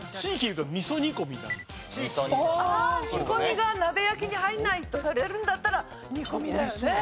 煮込みが鍋焼きに入らないとされるんだったら煮込みだよね。